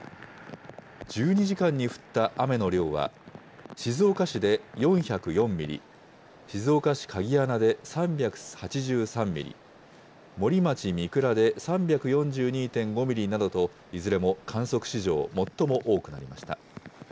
１２時間に降った雨の量は、静岡市で４０４ミリ、静岡市鍵穴で３８３ミリ、森町三倉で３４２．５ミリと、いずれも観測史上最も多くなりました。